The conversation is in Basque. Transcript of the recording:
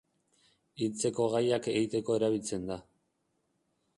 Hiltzeko gaiak egiteko erabiltzen da.